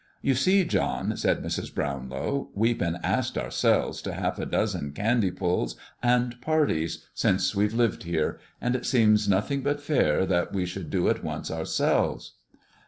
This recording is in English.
"You see, John," said Mrs. Brownlow, "we've been asked, ourselves, to half a dozen candy pulls and parties since we've lived here, and it seems nothin' but fair that we should do it once ourselves."